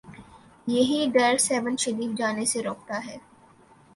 یہی ڈر سیہون شریف جانے سے روکتا ہے۔